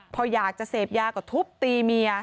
พออยากจะเสพยาก็ทุบตีเมีย